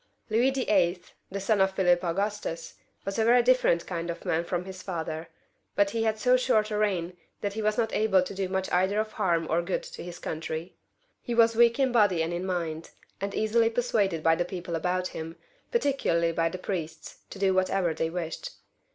Louis VIIL, the son of Philip Augustus, was a yery different kind of man &om his father, but he had so short a reign that he was not able to do much either of harm or good to his country. He was weak in body and in mind, and easily persuaded by the people about him, particularly by the priests, to do whatever they wished.